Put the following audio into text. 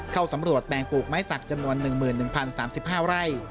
เข้าสำรวจแปลงปลูกไม้สักจำนวน๑๑๐๓๕ไร่